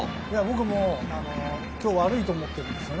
僕も今日悪いと思ってるんですよ。